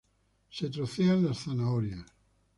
Se trocean las zanahorias.